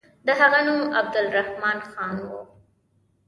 د هغه نوم عبدالرحمن خان وو.